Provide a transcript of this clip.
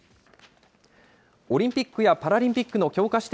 オリンピックやパラリンピックの強化